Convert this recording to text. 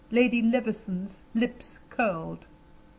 Lady Levison's lips curled.